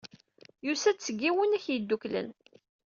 Yusa-d seg Yiwunak Yeddukklen.